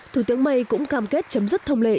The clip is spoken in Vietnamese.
thủ tướng may cũng cam kết chấm dứt thông lệ